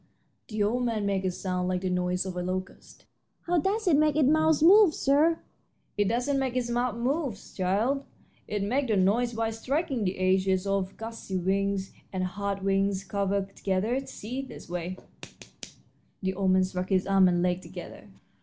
'" The old man made a sound like the noise of a locust. "How does it make its mouth move, sir?" "It doesn't make its mouth move, child. It makes the noise by striking the edges of the gauzy wings and hard wing covers together. See, this way!" And the old man struck his arm and leg together.